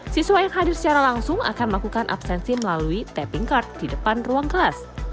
siswa yang hadir secara langsung akan melakukan absensi melalui tapping card di depan ruang kelas